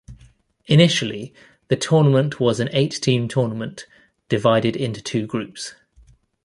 Initially the tournament was an eight team tournament divided into two groups.